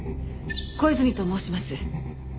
小泉と申します。